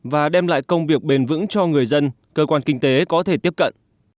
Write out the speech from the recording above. và đem lại công việc bền vững cho người dân cơ quan kinh tế có thể tiếp cận